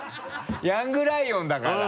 ヤングライオンだから。